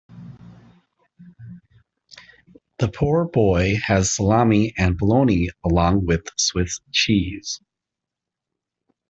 The Poor Boy has salami and bologna along with Swiss cheese.